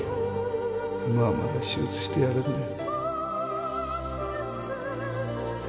今はまだ手術してやれんのや